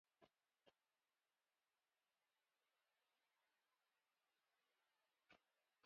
Pero Traetta no es un simple traductor de Rameau.